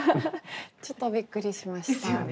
ちょっとびっくりしました。ですよね。